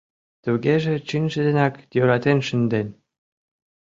Тугеже, чынже денак йӧратен шынден.